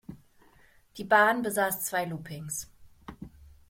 Die Bahn besaß zwei Loopings.